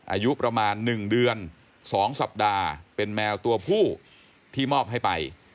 อายุประมาณ๑เดือน๒สัปดาห์เป็นแมวตัวผู้ที่มอบให้ไป